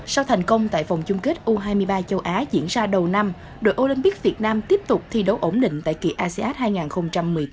sau thành công tại vòng chung kết u hai mươi ba châu á diễn ra đầu năm đội olympic việt nam tiếp tục thi đấu ổn định tại kỳ asean hai nghìn một mươi tám